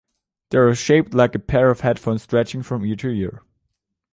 They are shaped like a pair of headphones stretching from ear to ear.